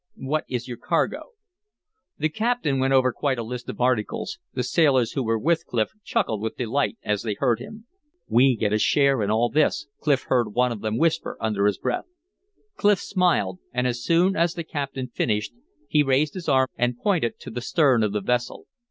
What is your cargo?" The captain went over quite a list of articles; the sailors who were with Clif chuckled with delight as they heard him. "We get a share in all this," Clif heard one of them whisper under his breath. Clif smiled; and as soon as the captain finished he raised his arm and pointed to the stern of the vessel.